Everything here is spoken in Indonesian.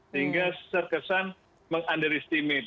sehingga serkesan meng underestimate